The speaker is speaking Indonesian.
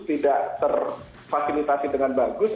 tidak terfasilitasi dengan bagus